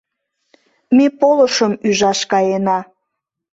«Ме полышым ӱжаш каена».